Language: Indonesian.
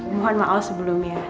mohon maaf sebelumnya